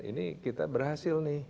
ini kita berhasil nih